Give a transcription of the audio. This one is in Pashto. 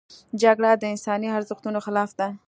جګړه د انساني ارزښتونو خلاف ده